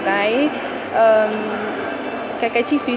các dạng dưới phép con